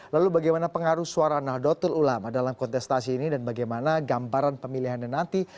lalu bagaimana pengaruh suara nahdlatul ulama dalam kontestasi ini dan bagaimana gambaran pemilihannya nanti